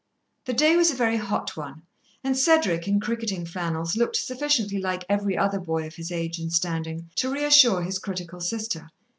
The day was a very hot one, and Cedric in cricketing flannels looked sufficiently like every other boy of his age and standing to reassure his critical sister.